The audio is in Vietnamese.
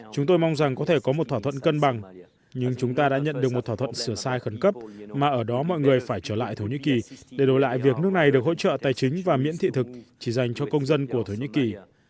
chúng tôi mong rằng có thể có một thỏa thuận cân bằng nhưng chúng ta đã nhận được một thỏa thuận sửa sai khẩn cấp mà ở đó mọi người phải trở lại thổ nhĩ kỳ để đổi lại việc nước này được hỗ trợ tài chính và miễn thị thực chỉ dành cho công dân của thổ nhĩ kỳ